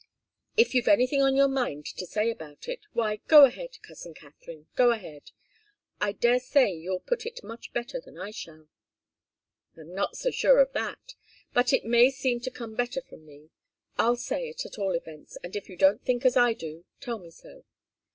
If you've anything on your mind to say about it, why, go ahead, cousin Katharine go ahead. I daresay you'll put it much better than I shall." "I'm not so sure of that. But it may seem to come better from me. I'll say it, at all events, and if you don't think as I do, tell me so.